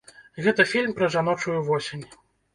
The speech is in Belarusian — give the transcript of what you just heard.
Гэта фільм пра жаночую восень.